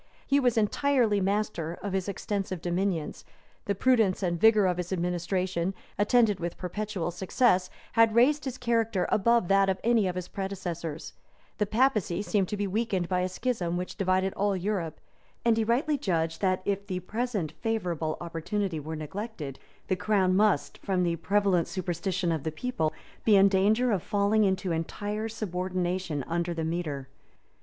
He was entirely master of his extensive dominions: the prudence and vigor of his administration, attended with perpetual success, had raised his character above that of any of his predecessors: the papacy seemed to be weakened by a schism which divided all Europe; and he rightly judged that, if the present favorable opportunity were neglected, the crown must, from the prevalent superstition of the people, be in danger of falling into entire subordination under the mitre.